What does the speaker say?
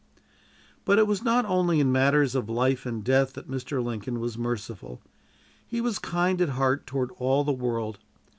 But it was not only in matters of life and death that Mr. Lincoln was merciful. He was kind at heart toward all the world.